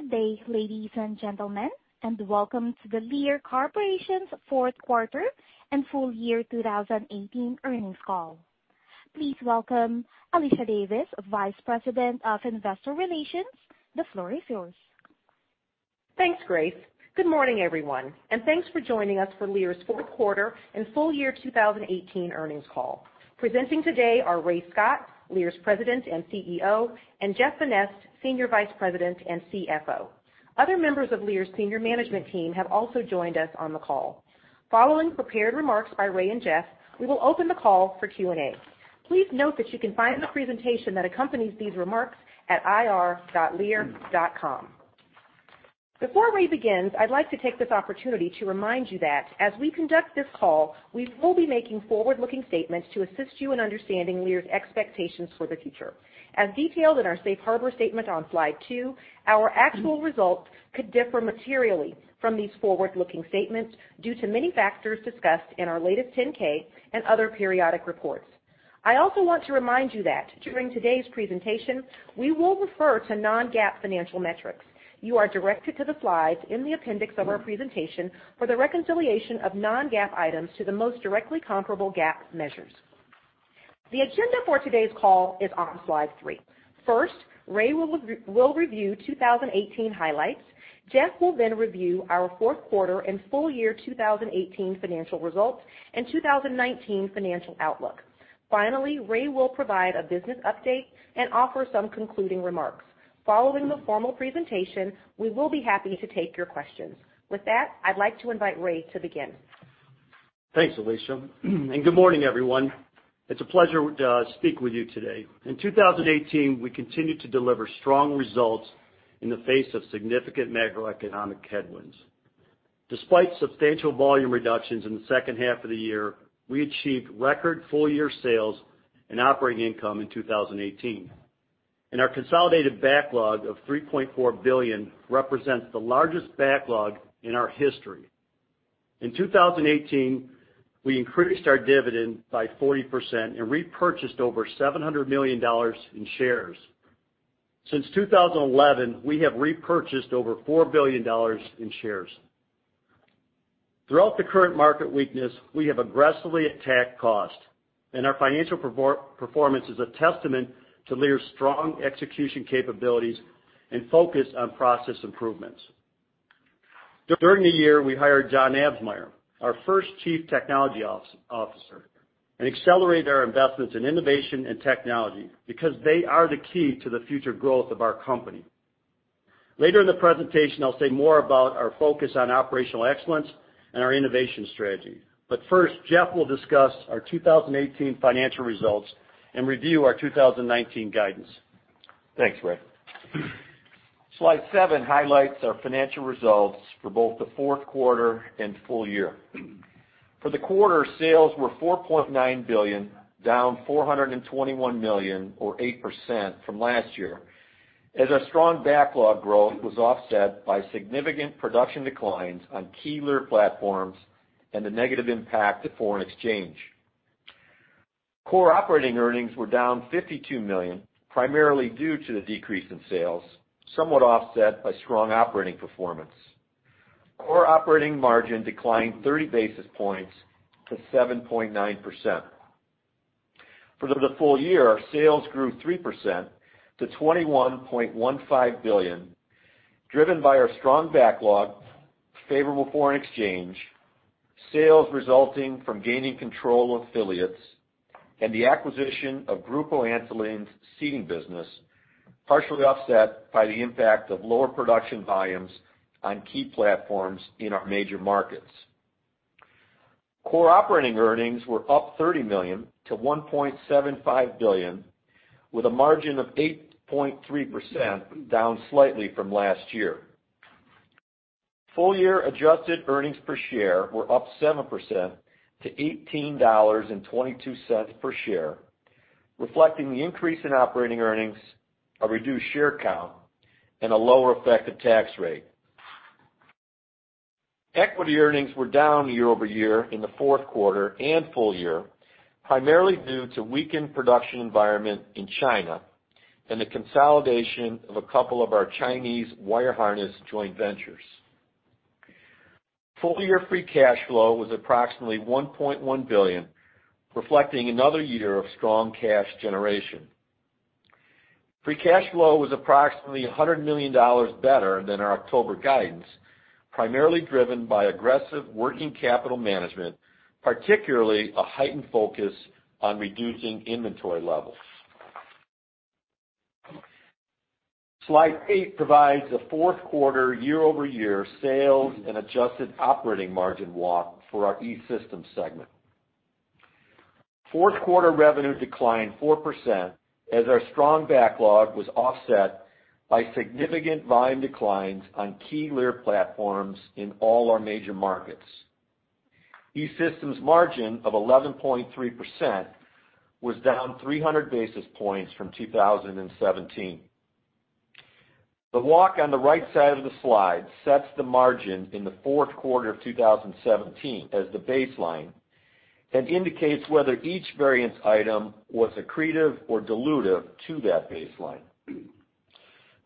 Good day, ladies and gentlemen, and welcome to the Lear Corporation's Fourth Quarter and Full Year 2018 Earnings Call. Please welcome Alicia Davis, Vice President of Investor Relations. The floor is yours. Thanks, Grace. Good morning, everyone, and thanks for joining us for Lear's Fourth Quarter and Full Year 2018 Earnings Call. Presenting today are Ray Scott, Lear's President and CEO, and Jeff Vanneste, Senior Vice President and CFO. Other members of Lear's senior management team have also joined us on the call. Following prepared remarks by Ray and Jeff, we will open the call for Q&A. Please note that you can find the presentation that accompanies these remarks at ir.lear.com. Before Ray begins, I'd like to take this opportunity to remind you that as we conduct this call, we will be making forward-looking statements to assist you in understanding Lear's expectations for the future. As detailed in our safe harbor statement on slide 2, our actual results could differ materially from these forward-looking statements due to many factors discussed in our latest 10-K and other periodic reports. I also want to remind you that during today's presentation, we will refer to non-GAAP financial metrics. You are directed to the slides in the appendix of our presentation for the reconciliation of non-GAAP items to the most directly comparable GAAP measures. The agenda for today's call is on slide 3. First, Ray will review 2018 highlights. Jeff will then review our fourth quarter and full year 2018 financial results and 2019 financial outlook. Finally, Ray will provide a business update and offer some concluding remarks. Following the formal presentation, we will be happy to take your questions. With that, I'd like to invite Ray to begin. Thanks, Alicia, and good morning, everyone. It's a pleasure to speak with you today. In 2018, we continued to deliver strong results in the face of significant macroeconomic headwinds. Despite substantial volume reductions in the second half of the year, we achieved record full-year sales and operating income in 2018. Our consolidated backlog of $3.4 billion represents the largest backlog in our history. In 2018, we increased our dividend by 40% and repurchased over $700 million in shares. Since 2011, we have repurchased over $4 billion in shares. Throughout the current market weakness, we have aggressively attacked cost. Our financial performance is a testament to Lear's strong execution capabilities and focus on process improvements. During the year, we hired John Absmeier, our first Chief Technology Officer, and accelerated our investments in innovation and technology because they are the key to the future growth of our company. Later in the presentation, I'll say more about our focus on operational excellence and our innovation strategy. First, Jeff will discuss our 2018 financial results and review our 2019 guidance. Thanks, Ray. Slide 7 highlights our financial results for both the fourth quarter and full year. For the quarter, sales were $4.9 billion, down $421 million or 8% from last year, as our strong backlog growth was offset by significant production declines on key Lear platforms and the negative impact of foreign exchange. Core operating earnings were down $52 million, primarily due to the decrease in sales, somewhat offset by strong operating performance. Core operating margin declined 30 basis points to 7.9%. For the full year, our sales grew 3% to $21.15 billion, driven by our strong backlog, favorable foreign exchange, sales resulting from gaining control affiliates, and the acquisition of Grupo Antolin's seating business, partially offset by the impact of lower production volumes on key platforms in our major markets. Core operating earnings were up $30 million to $1.75 billion, with a margin of 8.3%, down slightly from last year. Full-year adjusted earnings per share were up 7% to $18.22 per share, reflecting the increase in operating earnings, a reduced share count, and a lower effective tax rate. Equity earnings were down year-over-year in the fourth quarter and full year, primarily due to weakened production environment in China and the consolidation of a couple of our Chinese wire harness joint ventures. Full-year free cash flow was approximately $1.1 billion, reflecting another year of strong cash generation. Free cash flow was approximately $100 million better than our October guidance, primarily driven by aggressive working capital management, particularly a heightened focus on reducing inventory levels. Slide 8 provides a fourth quarter year-over-year sales and adjusted operating margin walk for our E-Systems segment. Fourth quarter revenue declined 4% as our strong backlog was offset by significant volume declines on key Lear platforms in all our major markets. E-Systems margin of 11.3% was down 300 basis points from 2017. The walk on the right side of the slide sets the margin in the fourth quarter of 2017 as the baseline. Indicates whether each variance item was accretive or dilutive to that baseline.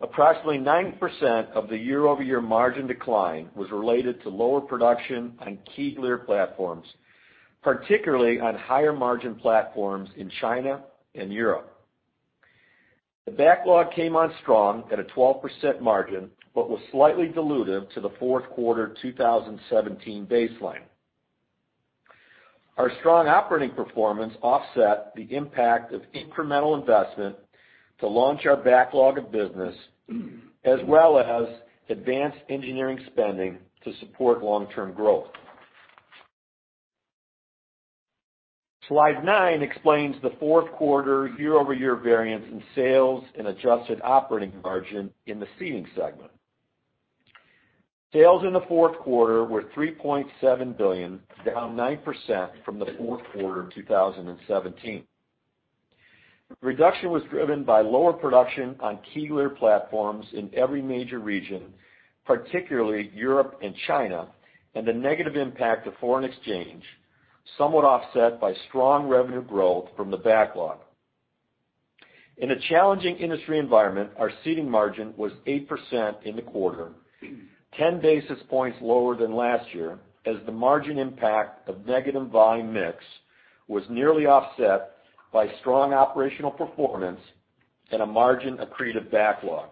Approximately 9% of the year-over-year margin decline was related to lower production on key Lear platforms, particularly on higher margin platforms in China and Europe. The backlog came on strong at a 12% margin, but was slightly dilutive to the fourth quarter 2017 baseline. Our strong operating performance offset the impact of incremental investment to launch our backlog of business, as well as advanced engineering spending to support long-term growth. Slide 9 explains the fourth quarter year-over-year variance in sales and adjusted operating margin in the Seating segment. Sales in the fourth quarter were $3.7 billion, down 9% from the fourth quarter 2017. Reduction was driven by lower production on key Lear platforms in every major region, particularly Europe and China, and the negative impact of foreign exchange, somewhat offset by strong revenue growth from the backlog. In a challenging industry environment, our seating margin was 8% in the quarter, 10 basis points lower than last year, as the margin impact of negative volume mix was nearly offset by strong operational performance and a margin accretive backlog.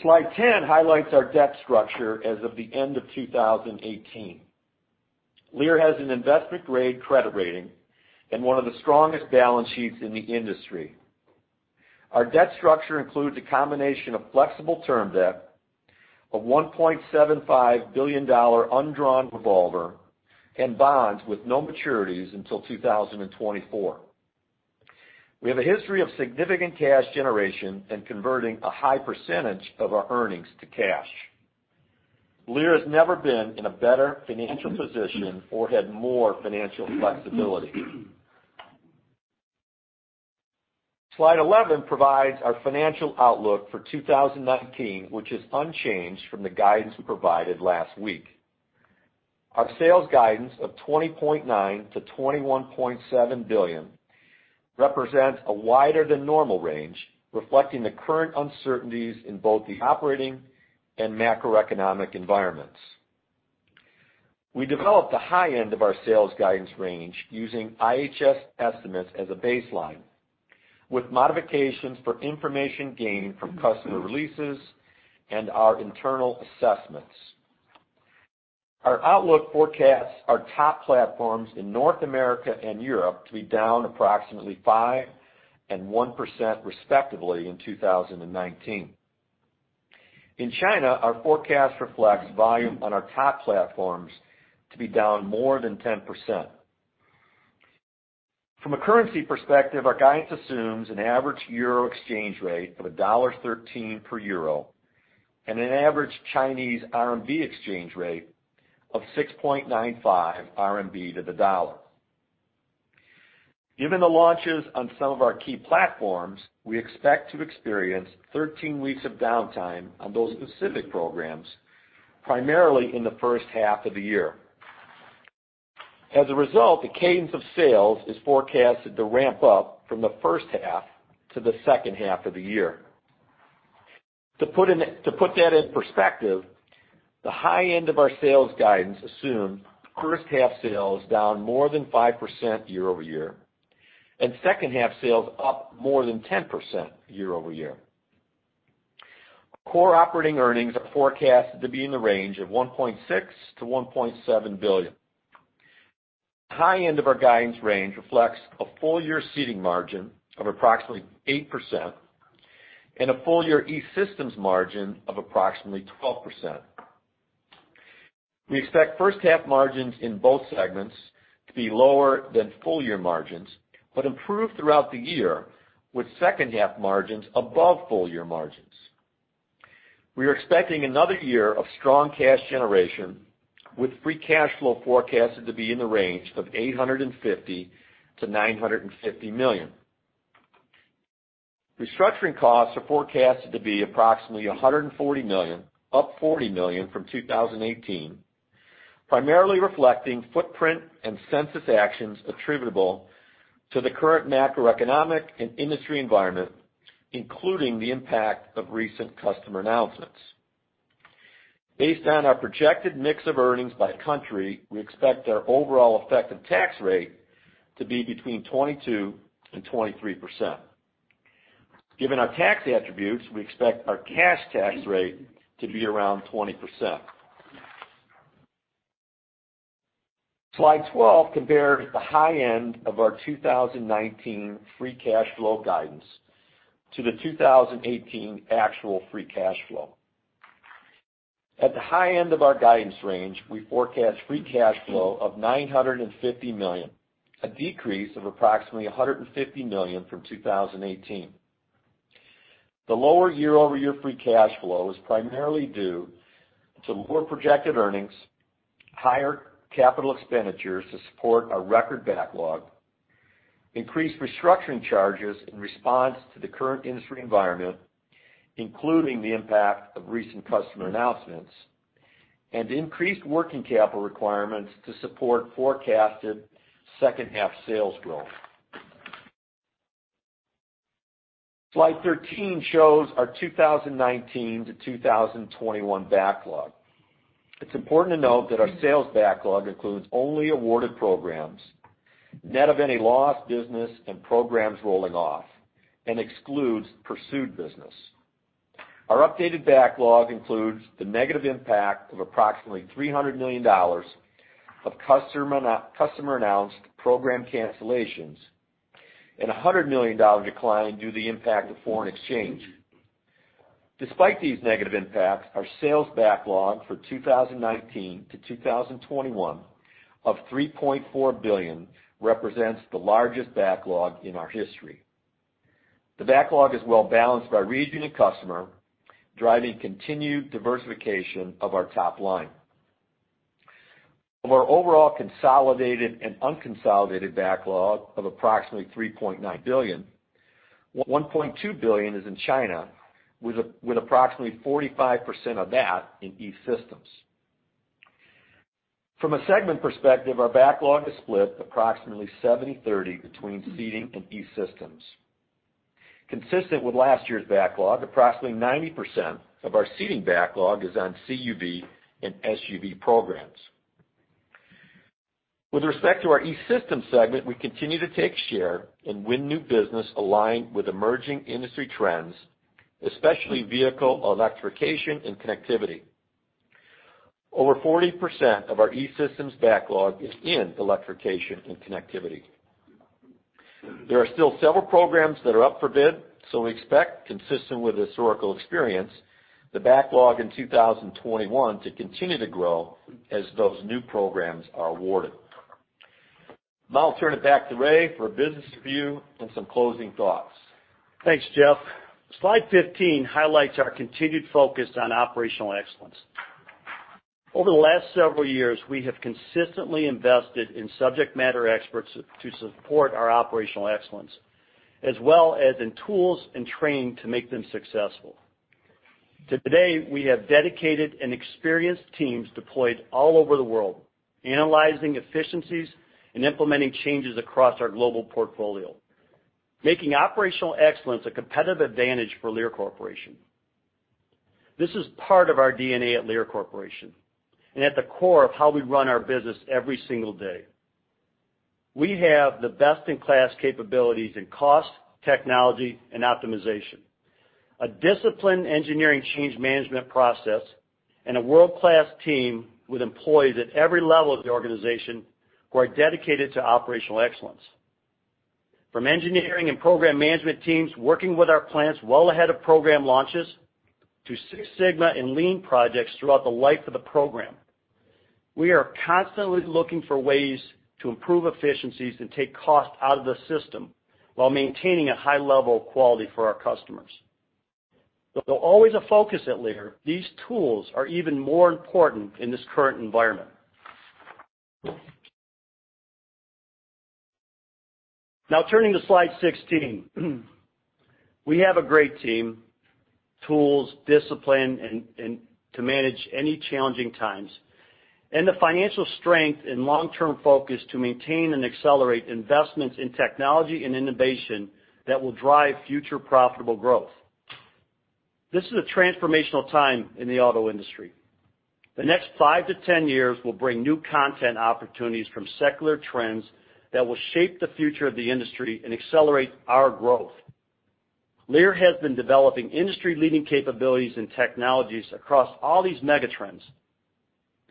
Slide 10 highlights our debt structure as of the end of 2018. Lear has an investment-grade credit rating and one of the strongest balance sheets in the industry. Our debt structure includes a combination of flexible term debt, a $1.75 billion undrawn revolver, and bonds with no maturities until 2024. We have a history of significant cash generation and converting a high percentage of our earnings to cash. Lear has never been in a better financial position or had more financial flexibility. Slide 11 provides our financial outlook for 2019, which is unchanged from the guidance we provided last week. Our sales guidance of $20.9 billion-$21.7 billion represents a wider than normal range, reflecting the current uncertainties in both the operating and macroeconomic environments. We developed the high end of our sales guidance range using IHS estimates as a baseline, with modifications for information gained from customer releases and our internal assessments. Our outlook forecasts our top platforms in North America and Europe to be down approximately 5% and 1% respectively in 2019. In China, our forecast reflects volume on our top platforms to be down more than 10%. From a currency perspective, our guidance assumes an average euro exchange rate of $1.13 per euro and an average Chinese RMB exchange rate of 6.95 RMB to the USD. Given the launches on some of our key platforms, we expect to experience 13 weeks of downtime on those specific programs, primarily in the first half of the year. As a result, the cadence of sales is forecasted to ramp up from the first half to the second half of the year. To put that in perspective, the high end of our sales guidance assume first half sales down more than 5% year-over-year, and second half sales up more than 10% year-over-year. Our core operating earnings are forecasted to be in the range of $1.6 billion-$1.7 billion. The high end of our guidance range reflects a full year seating margin of approximately 8% and a full year E-Systems margin of approximately 12%. We expect first half margins in both segments to be lower than full year margins, but improve throughout the year, with second half margins above full year margins. We are expecting another year of strong cash generation, with free cash flow forecasted to be in the range of $850 million-$950 million. Restructuring costs are forecasted to be approximately $140 million, up $40 million from 2018, primarily reflecting footprint and census actions attributable to the current macroeconomic and industry environment, including the impact of recent customer announcements. Based on our projected mix of earnings by country, we expect our overall effective tax rate to be between 22%-23%. Given our tax attributes, we expect our cash tax rate to be around 20%. Slide 12 compares the high end of our 2019 free cash flow guidance to the 2018 actual free cash flow. At the high end of our guidance range, we forecast free cash flow of $950 million, a decrease of approximately $150 million from 2018. The lower year-over-year free cash flow is primarily due to lower projected earnings, higher capital expenditures to support our record backlog, increased restructuring charges in response to the current industry environment, including the impact of recent customer announcements, and increased working capital requirements to support forecasted second half sales growth. Slide 13 shows our 2019 to 2021 backlog. It's important to note that our sales backlog includes only awarded programs, net of any lost business and programs rolling off, and excludes pursued business. Our updated backlog includes the negative impact of approximately $300 million of customer-announced program cancellations and a $100 million decline due to the impact of foreign exchange. Despite these negative impacts, our sales backlog for 2019 to 2021 of $3.4 billion represents the largest backlog in our history. The backlog is well-balanced by region and customer, driving continued diversification of our top line. Of our overall consolidated and unconsolidated backlog of approximately $3.9 billion, $1.2 billion is in China, with approximately 45% of that in E-Systems. From a segment perspective, our backlog is split approximately 70/30 between Seating and E-Systems. Consistent with last year's backlog, approximately 90% of our Seating backlog is on CUV and SUV programs. With respect to our E-Systems segment, we continue to take share and win new business aligned with emerging industry trends, especially vehicle electrification and connectivity. Over 40% of our E-Systems backlog is in electrification and connectivity. There are still several programs that are up for bid, we expect, consistent with historical experience, the backlog in 2021 to continue to grow as those new programs are awarded. Now I'll turn it back to Ray for a business review and some closing thoughts. Thanks, Jeff. Slide 15 highlights our continued focus on operational excellence. Over the last several years, we have consistently invested in subject matter experts to support our operational excellence, as well as in tools and training to make them successful. To date, we have dedicated and experienced teams deployed all over the world, analyzing efficiencies and implementing changes across our global portfolio, making operational excellence a competitive advantage for Lear Corporation. This is part of our DNA at Lear Corporation, and at the core of how we run our business every single day. We have the best-in-class capabilities in cost, technology, and optimization, a disciplined engineering change management process, and a world-class team with employees at every level of the organization who are dedicated to operational excellence. From engineering and program management teams working with our plants well ahead of program launches, to Six Sigma and Lean projects throughout the life of the program. We are constantly looking for ways to improve efficiencies and take cost out of the system while maintaining a high level of quality for our customers. Although always a focus at Lear, these tools are even more important in this current environment. Turning to slide 16. We have a great team, tools, discipline to manage any challenging times, and the financial strength and long-term focus to maintain and accelerate investments in technology and innovation that will drive future profitable growth. This is a transformational time in the auto industry. The next 5-10 years will bring new content opportunities from secular trends that will shape the future of the industry and accelerate our growth. Lear has been developing industry-leading capabilities and technologies across all these megatrends.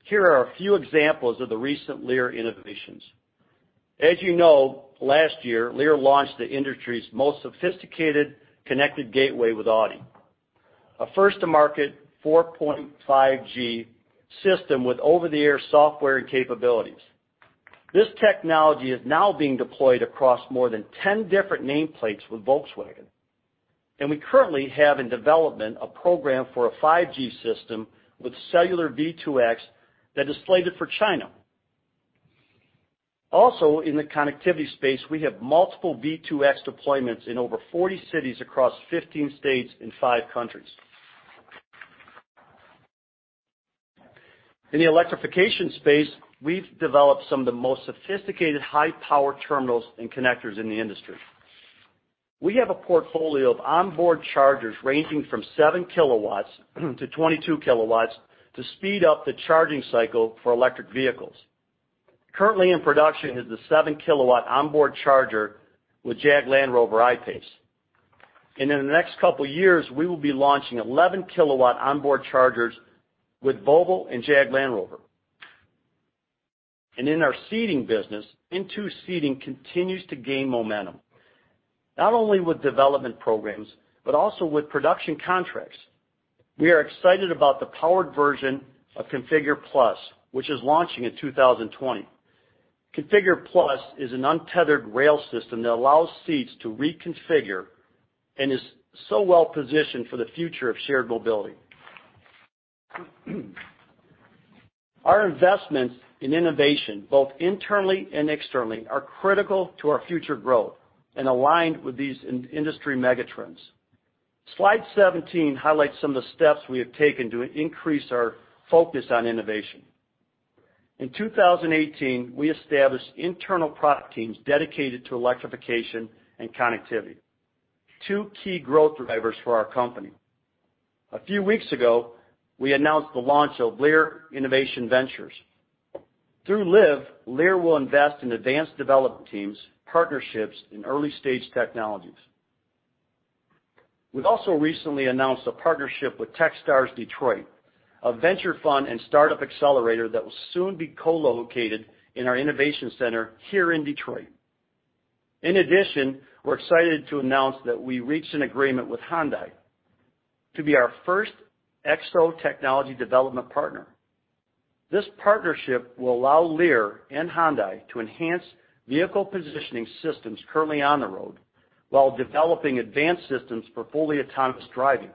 Here are a few examples of the recent Lear innovations. As you know, last year, Lear launched the industry's most sophisticated connected gateway with Audi, a first-to-market 4.5G system with over-the-air software and capabilities. This technology is now being deployed across more than 10 different nameplates with Volkswagen. We currently have in development a program for a 5G system with cellular V2X that is slated for China. Also, in the connectivity space, we have multiple V2X deployments in over 40 cities across 15 states and five countries. In the electrification space, we've developed some of the most sophisticated high-power terminals and connectors in the industry. We have a portfolio of onboard chargers ranging from 7 kilowatts-22 kilowatts to speed up the charging cycle for electric vehicles. Currently in production is the seven kilowatt onboard charger with Jag Land Rover I-PACE. In the next couple of years, we will be launching 11 kilowatt onboard chargers with Volvo and Jag Land Rover. In our Seating business, INTU seating continues to gain momentum, not only with development programs, but also with production contracts. We are excited about the powered version of ConfigurE+, which is launching in 2020. ConfigurE+ is an untethered rail system that allows seats to reconfigure and is so well positioned for the future of shared mobility. Our investments in innovation, both internally and externally, are critical to our future growth and aligned with these industry megatrends. Slide 17 highlights some of the steps we have taken to increase our focus on innovation. In 2018, we established internal product teams dedicated to electrification and connectivity, two key growth drivers for our company. A few weeks ago, we announced the launch of Lear Innovation Ventures. Through LIV, Lear will invest in advanced development teams, partnerships, and early-stage technologies. We've also recently announced a partnership with Techstars Detroit, a venture fund and startup accelerator that will soon be co-located in our innovation center here in Detroit. In addition, we're excited to announce that we reached an agreement with Hyundai to be our first EXO Technology development partner. This partnership will allow Lear and Hyundai to enhance vehicle positioning systems currently on the road while developing advanced systems for fully autonomous driving.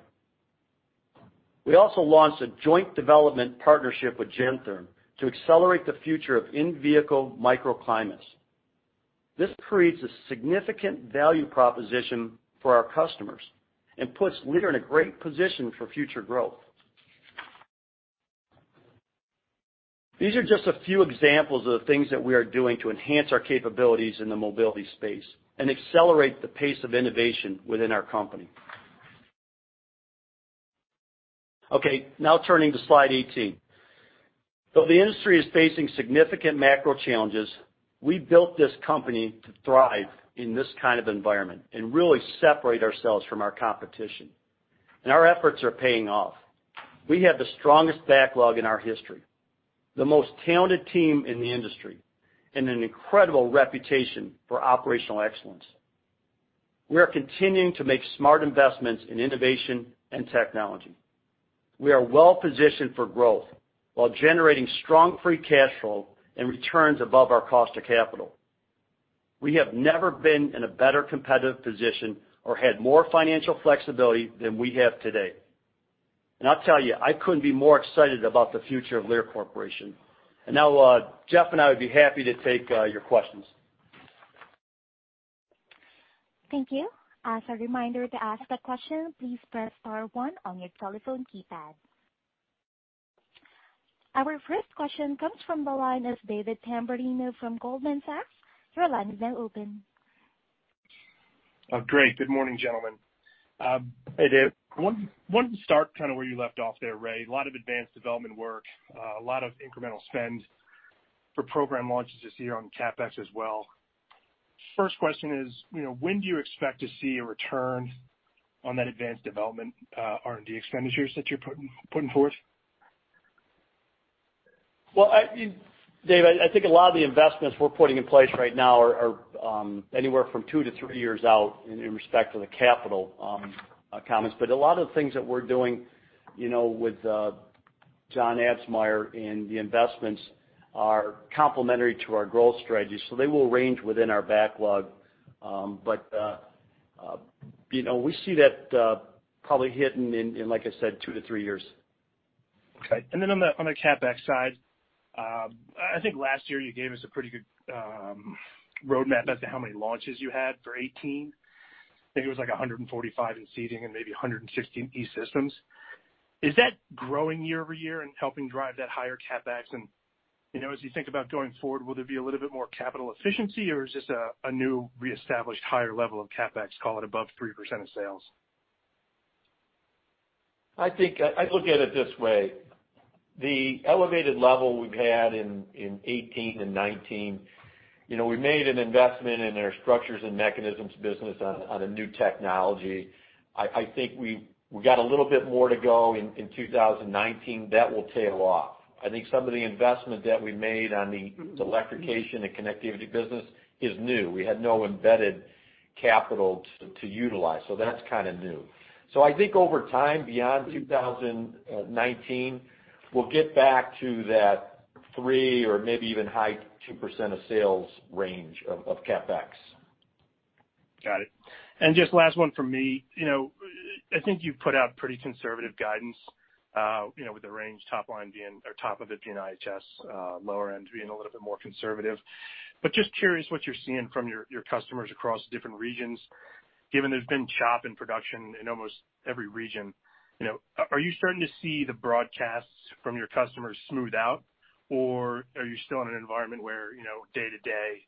We also launched a joint development partnership with Gentherm to accelerate the future of in-vehicle microclimates. This creates a significant value proposition for our customers and puts Lear in a great position for future growth. These are just a few examples of the things that we are doing to enhance our capabilities in the mobility space and accelerate the pace of innovation within our company. Now turning to slide 18. Though the industry is facing significant macro challenges, we built this company to thrive in this kind of environment and really separate ourselves from our competition. Our efforts are paying off. We have the strongest backlog in our history, the most talented team in the industry, and an incredible reputation for operational excellence. We are continuing to make smart investments in innovation and technology. We are well-positioned for growth while generating strong free cash flow and returns above our cost of capital. We have never been in a better competitive position or had more financial flexibility than we have today. I'll tell you, I couldn't be more excited about the future of Lear Corporation. Now, Jeff and I would be happy to take your questions. Thank you. As a reminder, to ask a question, please press star one on your telephone keypad. Our first question comes from the line of David Tamberrino from Goldman Sachs. Your line is now open. Great. Good morning, gentlemen. Hey, Dave. Wanted to start kind of where you left off there, Ray. A lot of advanced development work, a lot of incremental spend for program launches this year on CapEx as well. First question is, when do you expect to see a return on that advanced development R&D expenditures that you're putting forth? Well, Dave, I think a lot of the investments we're putting in place right now are anywhere from 2-3 years out in respect to the capital comments. A lot of the things that we're doing with John Absmeier and the investments are complementary to our growth strategy, so they will range within our backlog. We see that probably hitting in, like I said, 2-3 years. Okay. On the CapEx side, I think last year you gave us a pretty good roadmap as to how many launches you had for 2018. I think it was like 145 in Seating and maybe 116 E-Systems. Is that growing year-over-year and helping drive that higher CapEx? As you think about going forward, will there be a little bit more capital efficiency, or is this a new reestablished higher level of CapEx, call it above 3% of sales? I look at it this way. The elevated level we've had in 2018 and 2019, we made an investment in our structures and mechanisms business on a new technology. I think we got a little bit more to go in 2019. That will tail off. I think some of the investment that we made on the electrification and connectivity business is new. We had no embedded capital to utilize, so that's kind of new. I think over time, beyond 2019, we'll get back to that 3% or maybe even high 2% of sales range of CapEx. Got it. Just last one from me. I think you've put out pretty conservative guidance with the range top of it being IHS, lower end being a little bit more conservative. Just curious what you're seeing from your customers across different regions, given there's been chop in production in almost every region. Are you starting to see the broadcasts from your customers smooth out, or are you still in an environment where day to day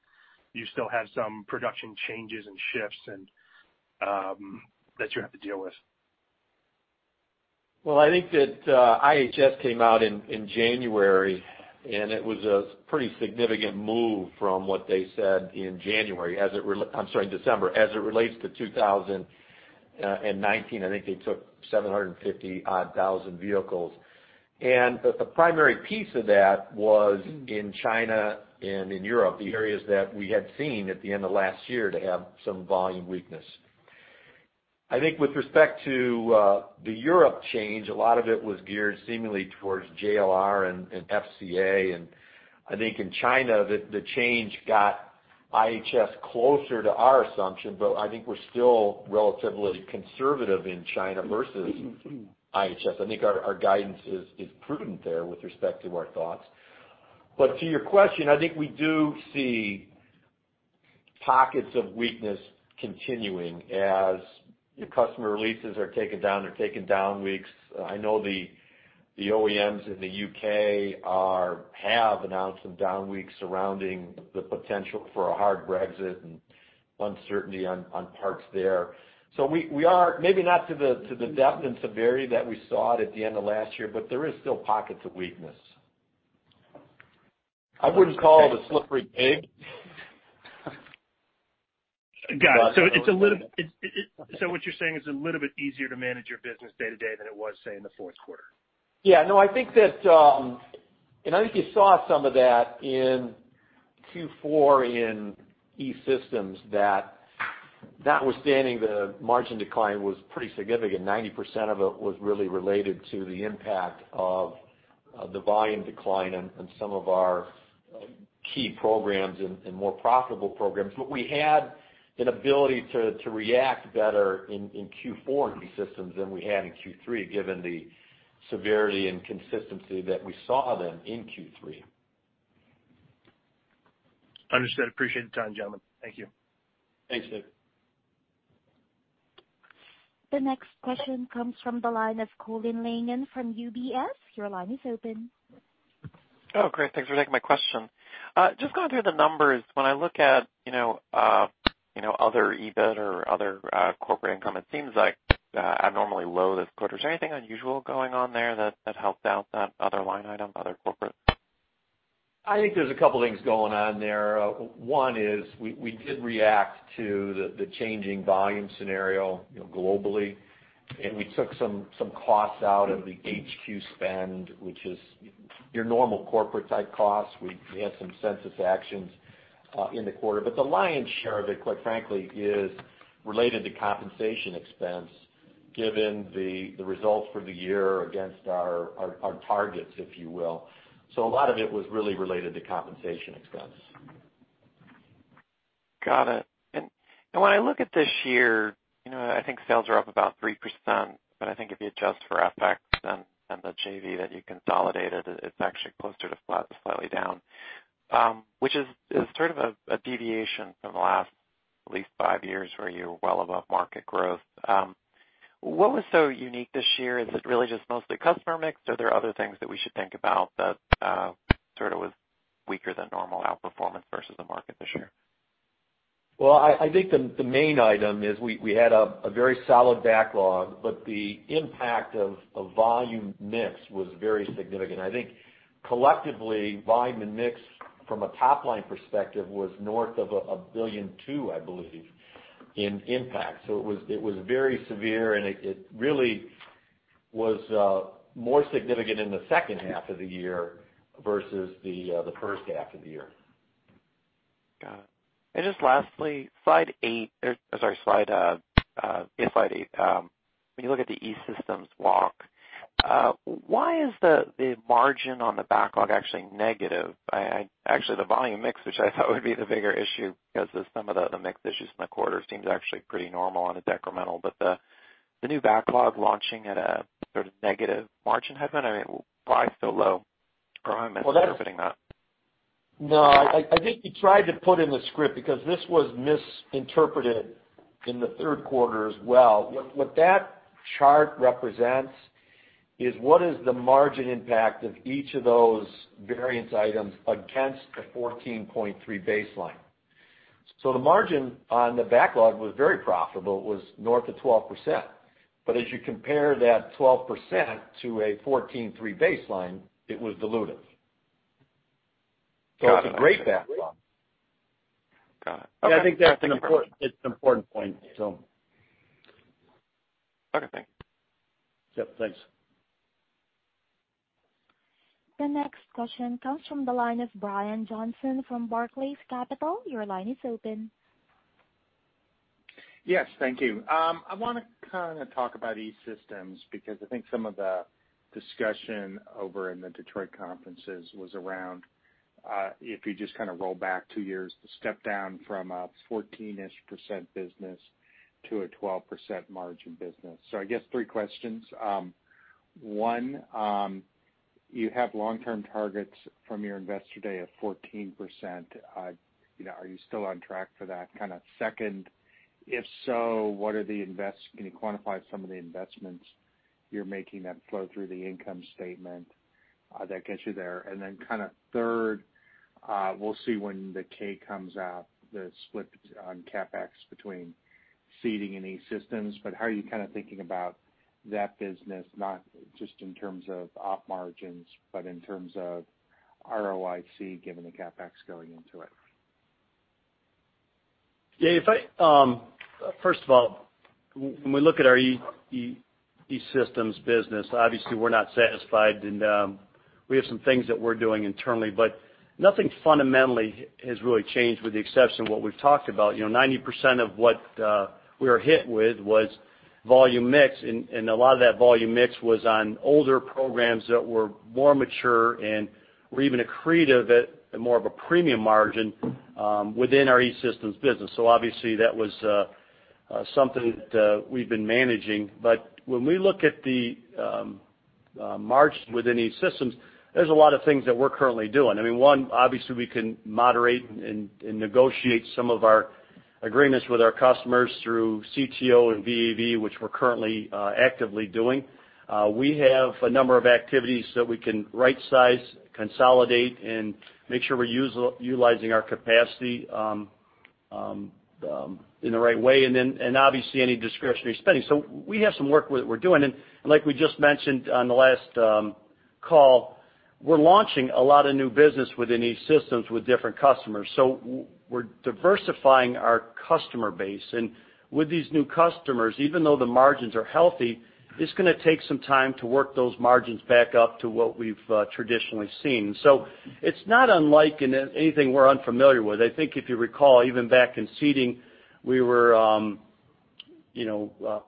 you still have some production changes and shifts that you have to deal with? I think that IHS came out in January, it was a pretty significant move from what they said in December as it relates to 2019. I think they took 750,000 odd vehicles. The primary piece of that was in China and in Europe, the areas that we had seen at the end of last year to have some volume weakness. I think with respect to the Europe change, a lot of it was geared seemingly towards JLR and FCA, I think in China, the change got IHS closer to our assumption, I think we're still relatively conservative in China versus IHS. I think our guidance is prudent there with respect to our thoughts. To your question, I think we do see pockets of weakness continuing as customer releases are taken down or taking down weeks. I know the OEMs in the U.K. have announced some down weeks surrounding the potential for a hard Brexit and uncertainty on parts there. We are maybe not to the depth and severity that we saw it at the end of last year, but there is still pockets of weakness. I wouldn't call it a slippery pig. Got it. What you're saying is a little bit easier to manage your business day-to-day than it was, say, in the fourth quarter? Yeah, no, I think you saw some of that in Q4 in E-Systems that notwithstanding the margin decline was pretty significant. 90% of it was really related to the impact of the volume decline on some of our key programs and more profitable programs. We had an ability to react better in Q4 in E-Systems than we had in Q3, given the severity and consistency that we saw then in Q3. Understood. Appreciate the time, gentlemen. Thank you. Thanks, Dave. The next question comes from the line of Colin Langan from UBS. Your line is open. Oh, great. Thanks for taking my question. Just going through the numbers, when I look at other EBIT or other corporate income, it seems abnormally low this quarter. Is there anything unusual going on there that helped out that other line item, other corporate? I think there's a couple things going on there. One is we did react to the changing volume scenario globally, we took some costs out of the HQ spend, which is your normal corporate type costs. We had some census actions in the quarter, the lion's share of it, quite frankly, is related to compensation expense given the results for the year against our targets, if you will. A lot of it was really related to compensation expense. Got it. When I look at this year, I think sales are up about 3%, I think if you adjust for FX and the JV that you consolidated, it's actually closer to flat to slightly down, which is sort of a deviation from the last at least five years where you were well above market growth. What was so unique this year? Is it really just mostly customer mix, are there other things that we should think about that was weaker than normal outperformance versus the market this year? I think the main item is we had a very solid backlog. The impact of volume mix was very significant. I think collectively, volume and mix from a top-line perspective was north of $1.2 billion, I believe, in impact. It was very severe. It really was more significant in the second half of the year versus the first half of the year. Got it. Just lastly, slide 8. When you look at the E-Systems walk, why is the margin on the backlog actually negative? Actually, the volume mix, which I thought would be the bigger issue because of some of the mix issues in the quarter, seems actually pretty normal on a decremental. The new backlog launching at a sort of negative margin headroom, I mean, why so low? Am I misinterpreting that? No, I think we tried to put in the script because this was misinterpreted in the third quarter as well. What that chart represents is what is the margin impact of each of those variance items against the 14.3 baseline. The margin on the backlog was very profitable, it was north of 12%. As you compare that 12% to a 14.3 baseline, it was dilutive. Got it. It's a great backlog. Got it. Okay. Yeah, I think that's an important point. Okay, thanks. Yes, thanks. The next question comes from the line of Brian Johnson from Barclays Capital. Your line is open. Yes. Thank you. I want to kind of talk about E-Systems because I think some of the discussion over in the Detroit conferences was around, if you just kind of roll back two years, the step down from a 14%-ish business to a 12% margin business. I guess three questions. One, you have long-term targets from your Investor Day of 14%. Are you still on track for that? Kind of second, if so, can you quantify some of the investments you're making that flow through the income statement that gets you there? Kind of third, we'll see when the K comes out, the split on CapEx between Seating and E-Systems, but how are you kind of thinking about that business, not just in terms of op margins, but in terms of ROIC, given the CapEx going into it? Yeah. First of all, when we look at our E-Systems business, obviously we're not satisfied, and we have some things that we're doing internally, but nothing fundamentally has really changed with the exception of what we've talked about. 90% of what we were hit with was volume mix, and a lot of that volume mix was on older programs that were more mature and were even accretive at more of a premium margin within our E-Systems business. Obviously that was a Something that we've been managing. When we look at the margin within E-Systems, there's a lot of things that we're currently doing. One, obviously, we can moderate and negotiate some of our agreements with our customers through CTO and VA/VE, which we're currently actively doing. We have a number of activities that we can right size, consolidate, and make sure we're utilizing our capacity in the right way. Obviously, any discretionary spending. We have some work we're doing, and like we just mentioned on the last call, we're launching a lot of new business within E-Systems with different customers. We're diversifying our customer base. With these new customers, even though the margins are healthy, it's going to take some time to work those margins back up to what we've traditionally seen. It's not unlike anything we're unfamiliar with. I think if you recall, even back in Seating, we were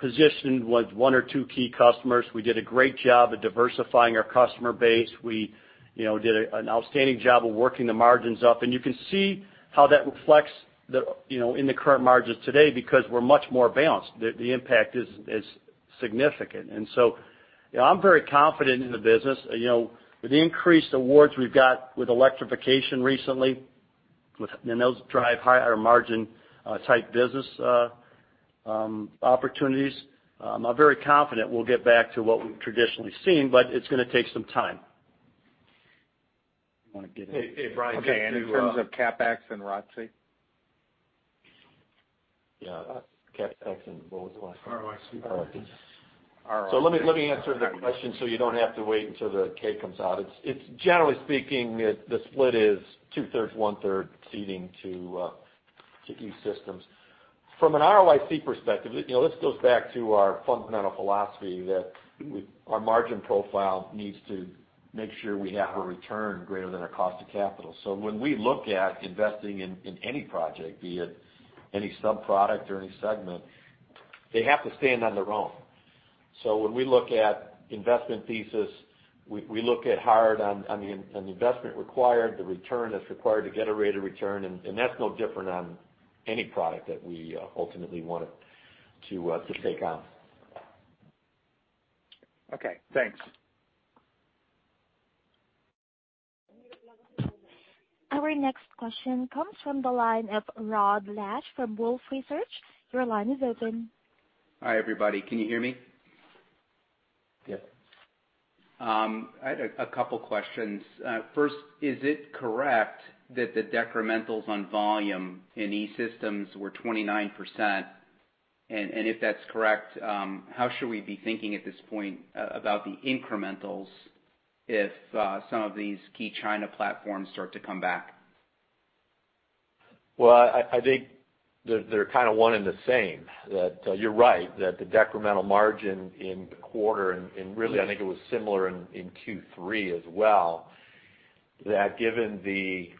positioned with one or two key customers. We did a great job at diversifying our customer base. We did an outstanding job of working the margins up. You can see how that reflects in the current margins today because we're much more balanced. The impact is significant. I'm very confident in the business. With the increased awards we've got with electrification recently, those drive higher margin type business opportunities, I'm very confident we'll get back to what we've traditionally seen, it's going to take some time. You want to get in? Hey, Brian. Okay, in terms of CapEx and ROIC? Yeah. CapEx what was the last one? ROIC. Let me answer that question so you don't have to wait until the K comes out. It's generally speaking, the split is two-thirds, one-third seating to E-Systems. From an ROIC perspective, this goes back to our fundamental philosophy that our margin profile needs to make sure we have a return greater than our cost of capital. When we look at investing in any project, be it any sub-product or any segment, they have to stand on their own. When we look at investment thesis, we look at hard on the investment required, the return that's required to get a rate of return, and that's no different on any product that we ultimately want to take on. Okay, thanks. Our next question comes from the line of Rod Lache from Wolfe Research. Your line is open. Hi, everybody. Can you hear me? Yes. I had a couple questions. First, is it correct that the decrementals on volume in E-Systems were 29%? If that's correct, how should we be thinking at this point about the incrementals if some of these key China platforms start to come back? Well, I think they're kind of one and the same. That you're right, that the decremental margin in the quarter, and really I think it was similar in Q3 as well, that given the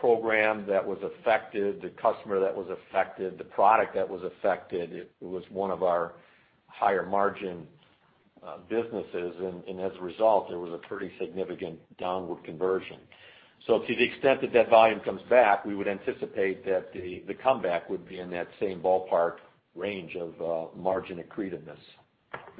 program that was affected, the customer that was affected, the product that was affected, it was one of our higher margin businesses, and as a result, there was a pretty significant downward conversion. To the extent that that volume comes back, we would anticipate that the comeback would be in that same ballpark range of margin accretiveness.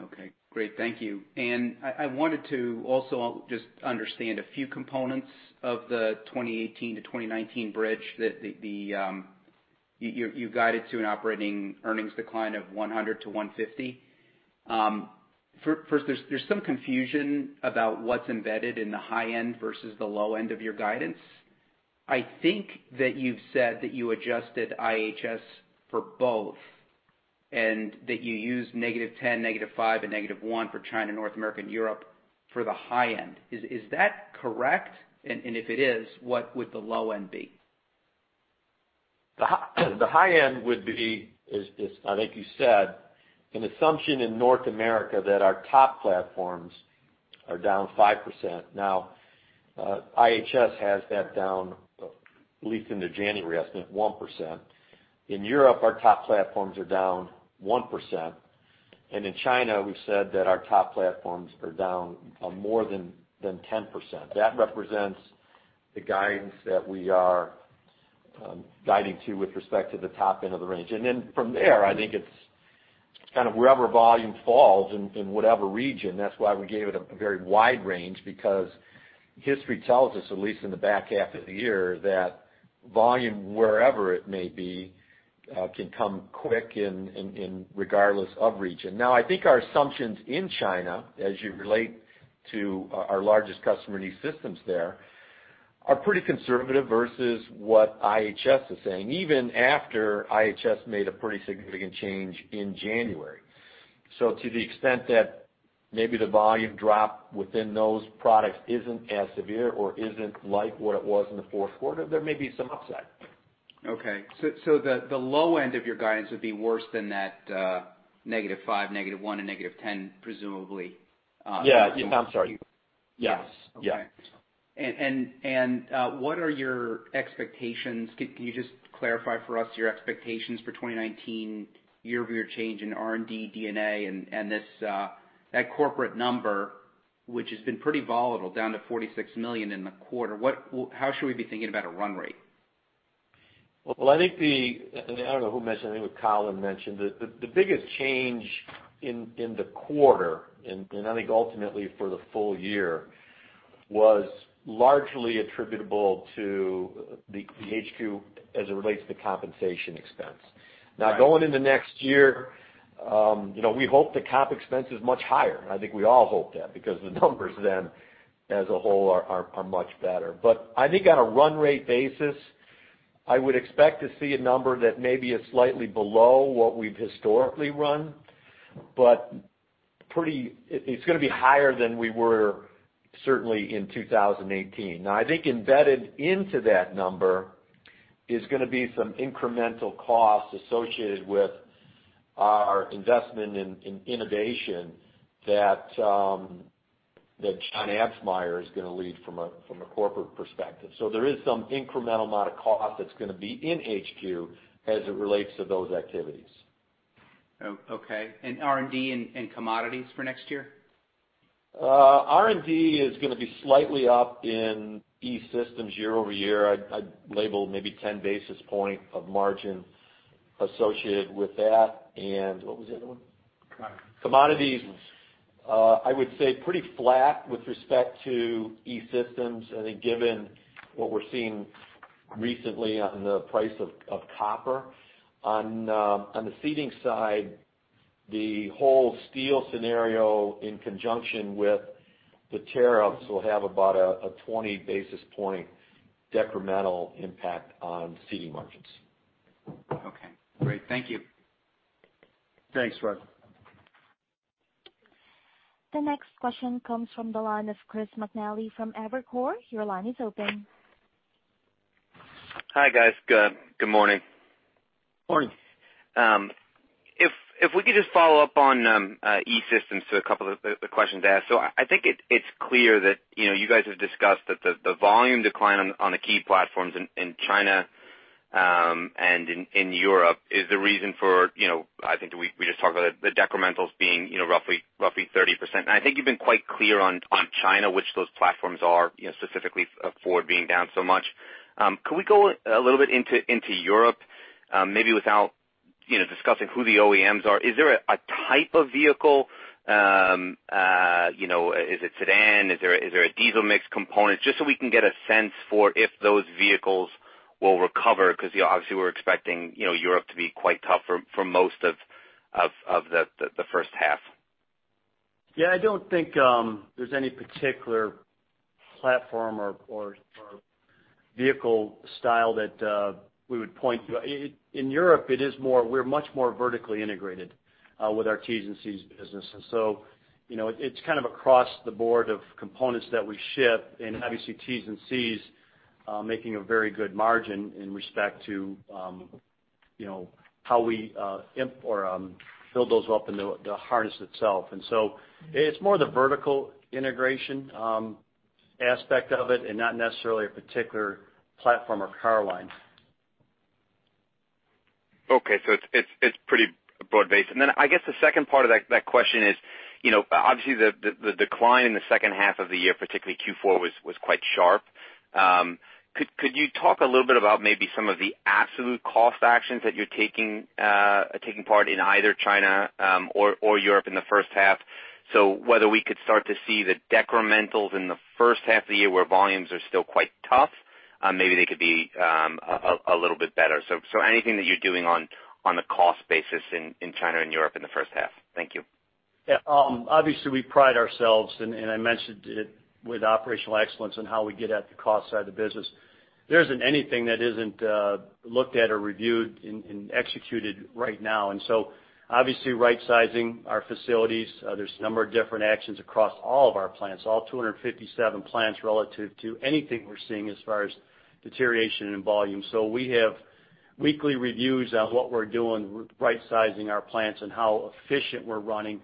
Okay, great. Thank you. I wanted to also just understand a few components of the 2018-2019 bridge that you guided to an operating earnings decline of 100-150. First, there's some confusion about what's embedded in the high end versus the low end of your guidance. I think that you've said that you adjusted IHS for both, and that you used -10%, -5%, and -1% for China, North America, and Europe for the high end. Is that correct? If it is, what would the low end be? The high end would be, as I think you said, an assumption in North America that our top platforms are down 5%. IHS has that down, at least in their January estimate, 1%. In Europe, our top platforms are down 1%. In China, we've said that our top platforms are down more than 10%. That represents the guidance that we are guiding to with respect to the top end of the range. From there, I think it's kind of wherever volume falls in whatever region, that's why we gave it a very wide range, because history tells us, at least in the back half of the year, that volume, wherever it may be, can come quick and regardless of region. I think our assumptions in China, as you relate to our largest customer, E-Systems there, are pretty conservative versus what IHS is saying, even after IHS made a pretty significant change in January. To the extent that maybe the volume drop within those products isn't as severe or isn't like what it was in the fourth quarter, there may be some upside. Okay. The low end of your guidance would be worse than that -5%, -1%, and -10%, presumably. Yeah. I'm sorry. Yes. Yes. Okay. What are your expectations? Can you just clarify for us your expectations for 2019 year-over-year change in R&D, DNA, and that corporate number? Which has been pretty volatile, down to $46 million in the quarter. How should we be thinking about a run rate? I think I don't know who mentioned it, I think it was Colin who mentioned, the biggest change in the quarter, and I think ultimately for the full year, was largely attributable to the HQ as it relates to compensation expense. Right. Going into next year, we hope the comp expense is much higher. I think we all hope that, because the numbers then, as a whole, are much better. I think on a run rate basis, I would expect to see a number that maybe is slightly below what we've historically run, but it's going to be higher than we were certainly in 2018. I think embedded into that number is going to be some incremental costs associated with our investment in innovation that John Absmeier is going to lead from a corporate perspective. There is some incremental amount of cost that's going to be in HQ as it relates to those activities. Okay. R&D and commodities for next year? R&D is going to be slightly up in E-Systems year-over-year. I'd label maybe 10 basis point of margin associated with that. What was the other one? Commodities. Commodities, I would say pretty flat with respect to E-Systems, I think given what we're seeing recently on the price of copper. On the Seating side, the whole steel scenario in conjunction with the tariffs will have about a 20 basis point decremental impact on Seating margins. Okay, great. Thank you. Thanks, Rod. The next question comes from the line of Chris McNally from Evercore. Your line is open. Hi, guys. Good morning. Morning. If we could just follow up on E-Systems to a couple of other questions to ask. I think it's clear that you guys have discussed that the volume decline on the key platforms in China and in Europe is the reason for, I think we just talked about it, the decrementals being roughly 30%. I think you've been quite clear on China, which those platforms are specifically for being down so much. Could we go a little bit into Europe, maybe without discussing who the OEMs are? Is there a type of vehicle? Is it sedan? Is there a diesel mix component? Just so we can get a sense for if those vehicles will recover, because obviously we're expecting Europe to be quite tough for most of the first half. Yeah, I don't think there's any particular platform or vehicle style that we would point to. In Europe, we're much more vertically integrated with our terminals and connectors business. It's kind of across the board of components that we ship, and obviously terminals and connectors making a very good margin in respect to how we build those up into the harness itself. It's more the vertical integration aspect of it and not necessarily a particular platform or power line. Okay, it's pretty broad-based. I guess the second part of that question is, obviously the decline in the second half of the year, particularly Q4, was quite sharp. Could you talk a little bit about maybe some of the absolute cost actions that you're taking part in either China or Europe in the first half? Whether we could start to see the decrementals in the first half of the year where volumes are still quite tough, maybe they could be a little bit better. Anything that you're doing on the cost basis in China and Europe in the first half. Thank you. Yeah. Obviously, we pride ourselves, and I mentioned it with operational excellence on how we get at the cost side of the business. There isn't anything that isn't looked at or reviewed and executed right now. Obviously right-sizing our facilities, there's a number of different actions across all of our plants, all 257 plants relative to anything we're seeing as far as deterioration in volume. We have weekly reviews on what we're doing, right-sizing our plants, and how efficient we're running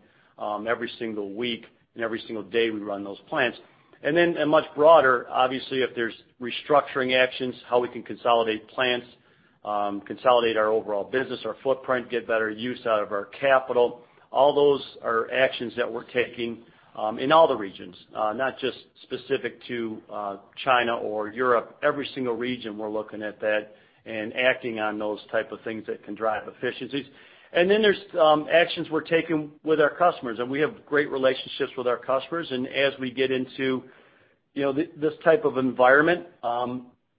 every single week and every single day we run those plants. At much broader, obviously, if there's restructuring actions, how we can consolidate plants, consolidate our overall business, our footprint, get better use out of our capital. All those are actions that we're taking in all the regions, not just specific to China or Europe. Every single region we're looking at that and acting on those type of things that can drive efficiencies. There's actions we're taking with our customers, and we have great relationships with our customers. As we get into this type of environment,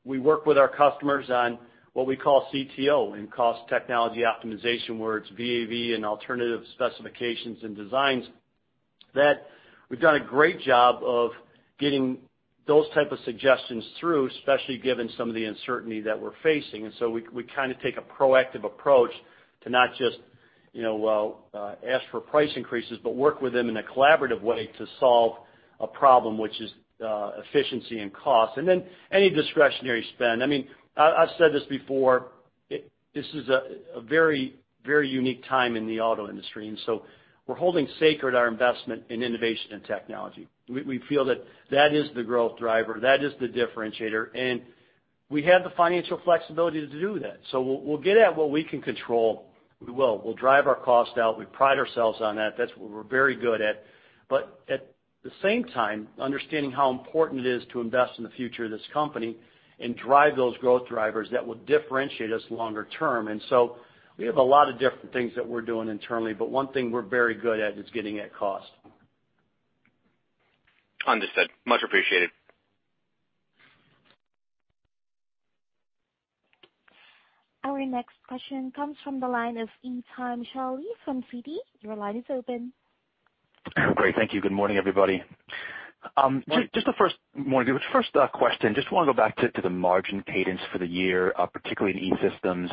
we work with our customers on what we call CTO, in cost technology optimization, where it's VA/VE and alternative specifications and designs that we've done a great job of getting those type of suggestions through, especially given some of the uncertainty that we're facing. We kind of take a proactive approach to not just ask for price increases, but work with them in a collaborative way to solve a problem, which is efficiency and cost. Any discretionary spend. I've said this before, this is a very unique time in the auto industry, we're holding sacred our investment in innovation and technology. We feel that that is the growth driver, that is the differentiator, and we have the financial flexibility to do that. We'll get at what we can control. We will. We'll drive our cost out. We pride ourselves on that. That's what we're very good at. At the same time, understanding how important it is to invest in the future of this company and drive those growth drivers that will differentiate us longer term. We have a lot of different things that we're doing internally, but one thing we're very good at is getting at cost. Understood. Much appreciated. Our next question comes from the line of Itay Michaeli from Citi. Your line is open. Great, thank you. Good morning, everybody. Morning. Just, morning, the first question, just want to go back to the margin cadence for the year, particularly in E-Systems.